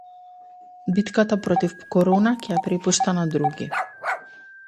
Битката против корона ќе ја препушта на други